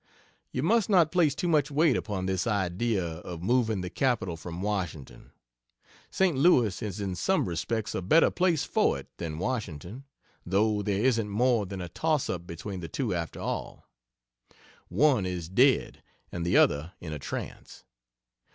You must not place too much weight upon this idea of moving the capital from Washington. St. Louis is in some respects a better place for it than Washington, though there isn't more than a toss up between the two after all. One is dead and the other in a trance.